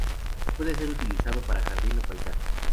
Puede ser utilizado para jardín, o paisaje.